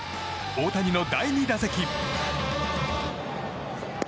大谷の第２打席。